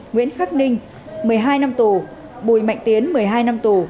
nguyễn khắc ninh một mươi hai năm tù bùi mạnh tiến một mươi hai năm tù